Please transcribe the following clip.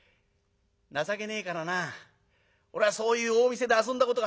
情けねえからな俺はそういう大見世で遊んだことがねえんだ。